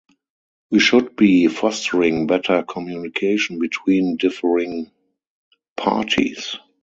We should be fostering better communication between differing parties.